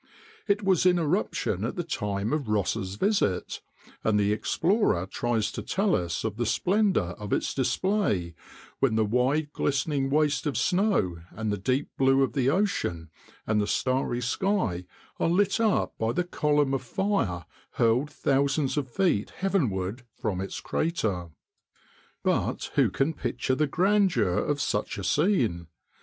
It was in eruption at the time of Ross's visit, and the explorer tries to tell us of the splendor of its display when the wide glistening waste of snow and the deep blue of the ocean and the starry sky are lit up by the column of fire hurled thousands of feet heavenward from its crater: but who can picture the grandeur of such a scene!